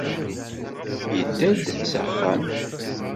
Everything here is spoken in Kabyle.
Idda-d s axxam